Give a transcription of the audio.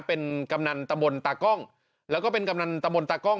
เป็นกำนันตะบนตากล้องแล้วก็เป็นกำนันตะมนตากล้อง